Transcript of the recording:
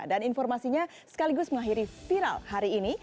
dan informasinya sekaligus mengakhiri viral hari ini